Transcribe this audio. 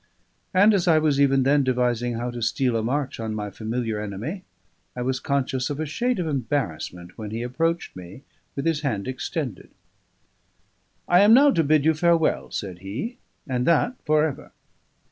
And as I was even then devising how to steal a march on my familiar enemy, I was conscious of a shade of embarrassment when he approached me with his hand extended. "I am now to bid you farewell," said he, "and that for ever.